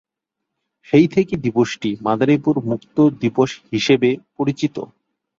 সেই থেকে দিবসটি মাদারীপুর মুক্ত দিবস হিসেবে পরিচিত।